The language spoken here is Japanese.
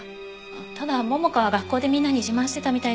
ただ桃香は学校でみんなに自慢してたみたいですけど。